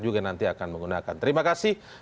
juga nanti akan menggunakan terima kasih